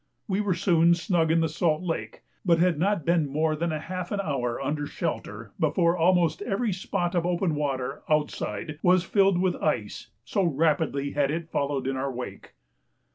We were soon snug in the Salt Lake, but had not been more than half an hour under shelter before almost every spot of open water outside was filled with ice, so rapidly had it followed in our wake.